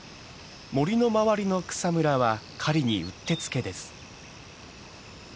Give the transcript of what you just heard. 森の周りの草むらは狩りにうってつけです。